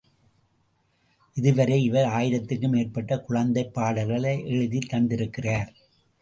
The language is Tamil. இதுவரை இவர் ஆயிரத்துக்கு மேற்பட்ட குழந்தைப் பாடல்களை எழுதித் தந்திருக்கிறார்.